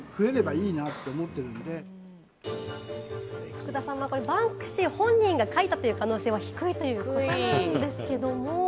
福田さん、これバンクシー本人が描いたという可能性は低いんですけれども。